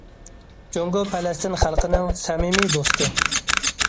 جۇڭگو پەلەستىن خەلقىنىڭ سەمىمىي دوستى.